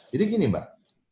jadi gini mbak